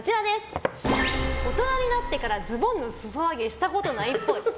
大人になってからズボンの裾上げしたことないっぽい。